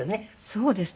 そうですね。